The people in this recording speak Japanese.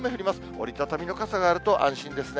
折り畳みの傘があると安心ですね。